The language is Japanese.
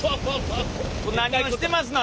何をしてますの？